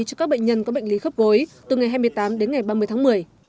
cho các bệnh nhân có bệnh lý khớp gối từ ngày hai mươi tám đến ngày ba mươi tháng một mươi